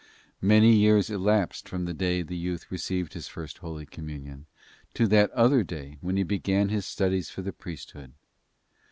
Many years elapsed from the day the youth received his First Holy Communion to that other day when he began his studies for the priesthood.